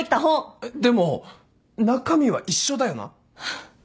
えっでも中身は一緒だよな？